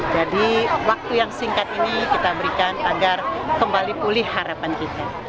jadi waktu yang singkat ini kita berikan agar kembali pulih harapan kita